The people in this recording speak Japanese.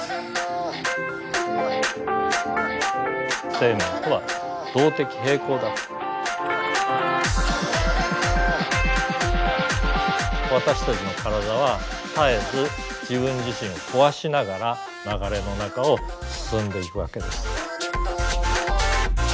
生命とは私たちの体は絶えず自分自身を壊しながら流れの中を進んでいくわけです。